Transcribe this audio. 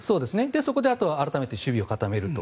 そこであとは改めて守備を固めると。